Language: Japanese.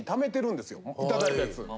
いただいたやつ。